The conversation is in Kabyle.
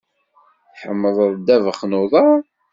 Tḥemmleḍ ddabex n uḍaṛ?